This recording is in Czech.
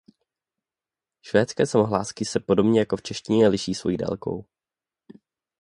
Švédské samohlásky se podobně jako v češtině liší svojí délkou.